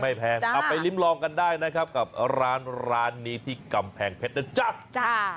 กลับไปลิ้มลองกันได้นะครับกับร้านร้านนี้ที่กำแพงเพชรนะจ๊ะ